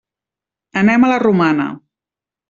Anem a la Romana.